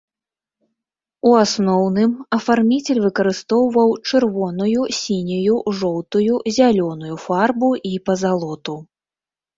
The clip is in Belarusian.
У асноўным, афарміцель выкарыстоўваў чырвоную, сінюю, жоўтую, зялёную фарбу і пазалоту.